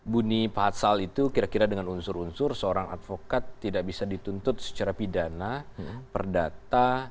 buni pahatsal itu kira kira dengan unsur unsur seorang advokat tidak bisa dituntut secara pidana perdata